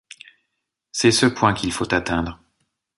C’est ce point qu’il faut atteindre !…